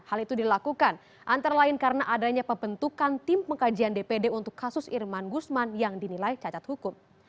hal itu dilakukan antara lain karena adanya pembentukan tim pengkajian dpd untuk kasus irman gusman yang dinilai cacat hukum